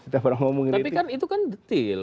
tapi kan itu kan detil